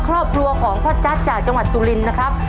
ครอบครัวของพ่อจั๊กจากจังหวัดสุรินนะครับ